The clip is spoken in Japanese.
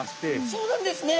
そうなんですね。